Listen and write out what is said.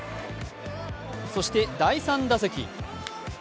そして、第３打席。